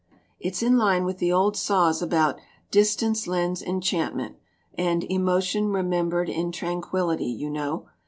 "It's in line with the old saws about 'distance lends enchantment' and 'emotion remembered in tranquillity, ' you know.